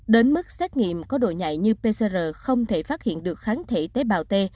đến mức xét nghiệm có độ nhảy như pcr không thể phát hiện được kháng thể tế bào t